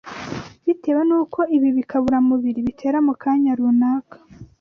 Bitewe n’uko ibi bikaburamubiri bitera mu kanya runaka